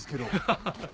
ハハハ。